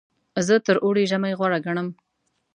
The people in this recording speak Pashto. زه تر اوړي ژمی غوره ګڼم.